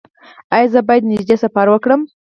ایا زه باید نږدې سفر وکړم؟